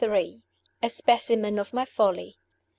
A SPECIMEN OF MY FOLLY.